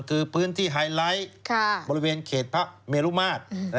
คือพื้นที่ไฮไลท์บริเวณเขตพระเมรุมาตร